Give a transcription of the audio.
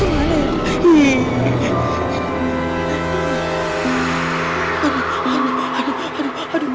hantuk hantuk ada hantuk ada hantuk